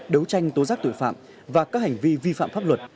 đấu tranh tố giác tội phạm và các hành vi vi phạm pháp luật